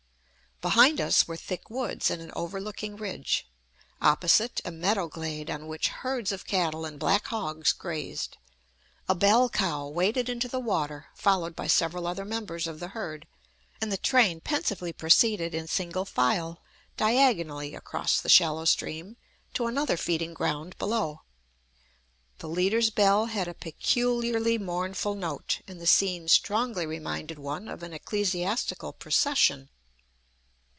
Behind us were thick woods and an overlooking ridge; opposite, a meadow glade on which herds of cattle and black hogs grazed. A bell cow waded into the water, followed by several other members of the herd, and the train pensively proceeded in single file diagonally across the shallow stream to another feeding ground below. The leader's bell had a peculiarly mournful note, and the scene strongly reminded one of an ecclesiastical procession.